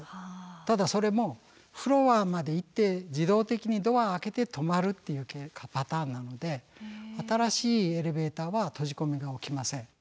ただそれもフロアまで行って自動的にドア開けて止まるっていうパターンなので新しいエレベーターは閉じ込めが起きません。